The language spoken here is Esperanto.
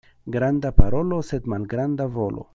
Granda parolo, sed malgranda volo.